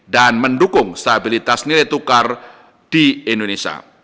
dan mendukung stabilitas nilai tukar di indonesia